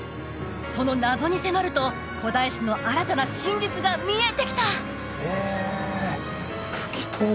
その謎に迫ると古代史の新たな真実が見えてきた！